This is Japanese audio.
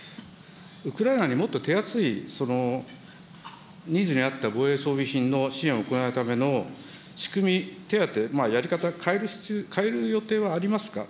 ウクライナにもっと手厚い、ニーズに合った防衛装備品の支援を行うための仕組み、手当、やり方変える予定はありますか。